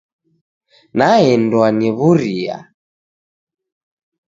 Naendwa ni w'uria.